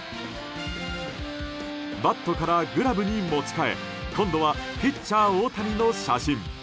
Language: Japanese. バットからグラブに持ち替え今度はピッチャー大谷の写真。